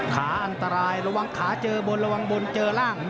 ขาอันตรายระวังขาเจอบนระวังบนเจอร่าง